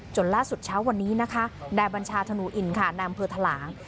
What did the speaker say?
ล่าสุดเช้าวันนี้นะคะนายบัญชาธนูอินค่ะนายอำเภอทะหลาง